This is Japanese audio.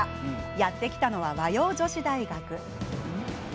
やって来たのは和洋女子大学です。